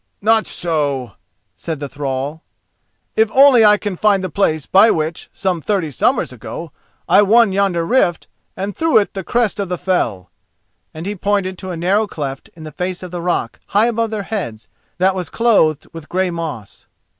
"Not so," said the thrall, "if only I can find the place by which, some thirty summers ago, I won yonder rift, and through it the crest of the fell," and he pointed to a narrow cleft in the face of the rock high above their heads, that was clothed with grey moss.